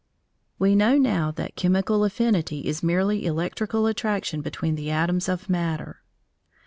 We know now that chemical affinity is merely electrical attraction between the atoms of matter.